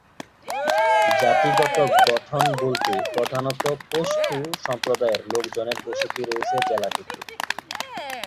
জাতিগত গঠন বলতে প্রধানত পশতু সম্প্রদায়ের লোকজনের বসতি রয়েছে জেলাটিতে।